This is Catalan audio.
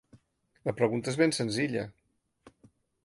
La pregunta és ben senzilla.